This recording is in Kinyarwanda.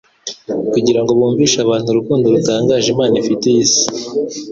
kugira ngo bumvishe abantu urukundo rutangaje Imana ifitiye isi.